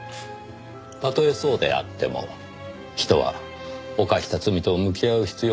たとえそうであっても人は犯した罪と向き合う必要があります。